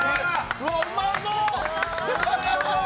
うわうまそう！